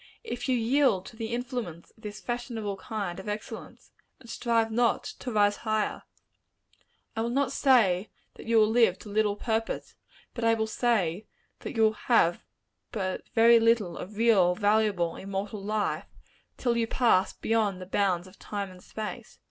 If you yield to the influence of this fashionable kind of excellence, and strive not to rise higher, I will not say that you will live to little purpose; but I will say, that you will have but very little of real, valuable, immortal life, till you pass beyond the bounds of time and space.